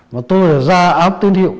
mà tôi đã ra áp tiên hiệu